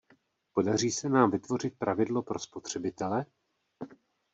Podaří se nám vytvořit pravidlo pro spotřebitele?